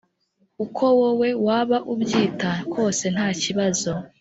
uko wowe waba ubyita kose ntakibazo